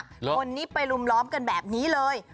คนนี้ไปลุมล้อมกันแบบนี้เลย